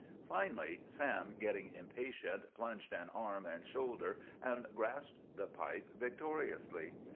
Finally Sam, getting impatient, plunged in arm and shoulder, and grasped the pipe victoriously.